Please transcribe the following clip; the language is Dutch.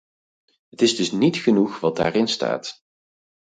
Het is dus niet genoeg wat daarin staat.